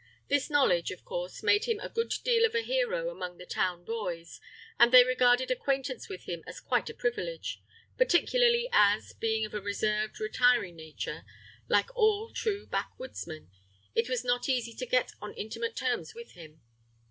This knowledge, of course, made him a good deal of a hero among the town boys, and they regarded acquaintance with him as quite a privilege, particularly as, being of a reserved, retiring nature, like all true backwoodsmen, it was not easy to get on intimate terms with him.